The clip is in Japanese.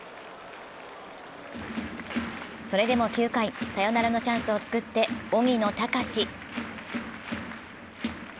それでも９回、サヨナラのチャンスを作って荻野貴司。